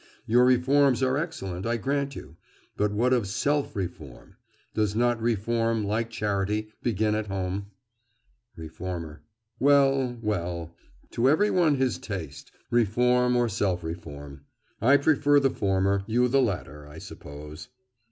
Your reforms are excellent, I grant you; but what of self reform? Does not reform, like charity, begin at home? REFORMER: Well, well; to everyone his taste—reform or self reform. I prefer the former; you the latter, I suppose.